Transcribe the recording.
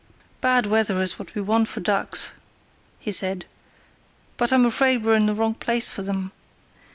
"Bad weather is what we want for ducks," he said; "but I'm afraid we're in the wrong place for them.